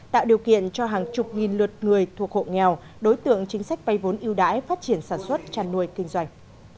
tạo điều kiện cho hàng chục nghìn lượt người thuộc hộ nghèo đối tượng chính sách vay vốn ưu đãi phát triển sản xuất tràn nuôi kinh doanh